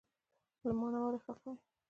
له مانه ولې خفه یی؟